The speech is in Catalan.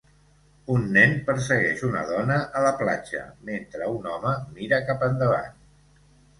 Un nen persegueix una dona a la platja mentre un home mira cap endavant.